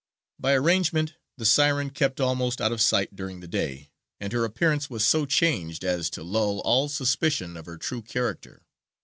By arrangement the Siren kept almost out of sight during the day, and her appearance was so changed as to lull all suspicion of her true character.